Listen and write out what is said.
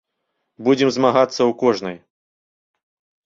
Будзем змагацца ў кожнай.